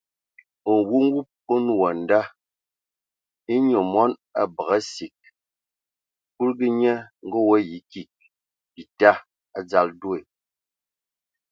Nwumub o nə wa a nda : e nyɔ mɔn a bəgə asig! Kuligi nye ngə o ayi kig bita a dzal do.